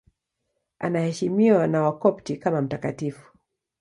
Anaheshimiwa na Wakopti kama mtakatifu.